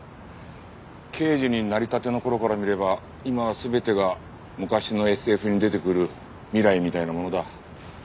刑事になりたての頃から見れば今は全てが昔のＳＦに出てくる未来みたいなものだ。